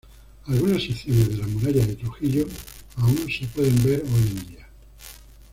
Algunas secciones de la muralla de Trujillo aún se pueden ver hoy en día.